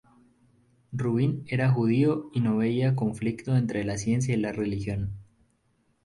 Rubin era judío y no veía conflicto entre la ciencia y la religión.